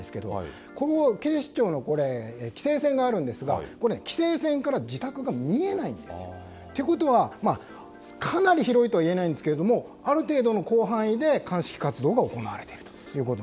警視庁の規制線があるんですが規制線から自宅が見えないんですよ。ということは、かなり広いとはいえないんですけれどもある程度の広範囲で鑑識活動が行われていると。